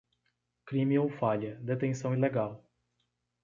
Crime ou falha: detenção ilegal.